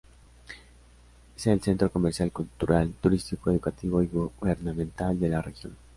Es el centro comercial, cultural, turístico, educativo y gubernamental de la región.